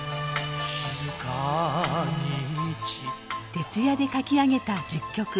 徹夜で書き上げた１０曲。